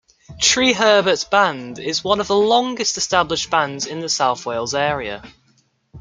Treherbert Band is one of the longest established bands in the South Wales area.